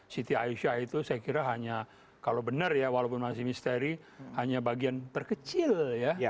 siti aisyah itu saya kira hanya kalau benar ya walaupun masih misteri hanya bagian terkecil ya